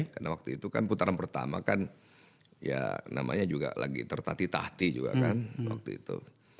karena waktu itu kan putaran pertama kan ya namanya juga lagi tertati tati juga kan waktu itu